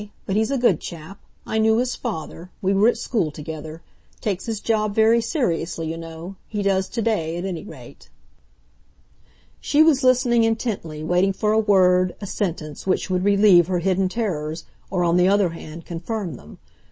But he's a good chap—I knew his father; we were at school together. Takes his job very seriously, you know—he does to day, at any rate." She was listening intently, waiting for a word, a sentence, which would relieve her hidden terrors, or, on the other hand, confirm them.